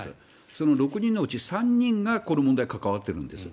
その６人のうち３人がこの問題に関わっているんです。